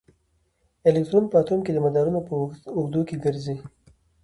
الکترون په اټوم کې د مدارونو په اوږدو کې ګرځي.